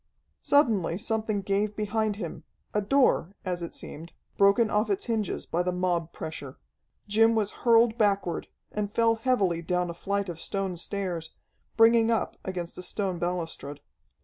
Suddenly something gave behind him a door, as it seemed, broken off its hinges by the mob pressure. Jim was hurled backward, and fell heavily down a flight of stone stairs, bringing up against a stone balustrade.